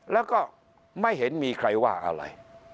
แล้วก็ไม่เห็นมีใครว่าอะไร